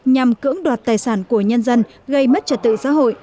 nhằm cưỡng đoạt tài sản của nhân dân gây mất trật tự xã hội